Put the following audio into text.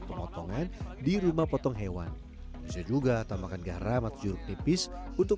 pemotongan di rumah potong hewan bisa juga tambahkan garam atau jeruk nipis untuk